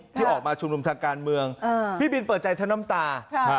ที่ออกมาชุมนุมทางการเมืองพี่บินเปิดใจทั้งน้ำตา